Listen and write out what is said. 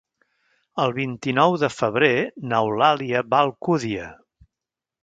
El vint-i-nou de febrer n'Eulàlia va a Alcúdia.